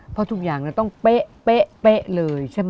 เพราะทุกอย่างต้องเป๊ะเลยใช่ไหม